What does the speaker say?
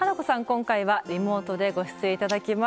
今回はリモートでご出演頂きます。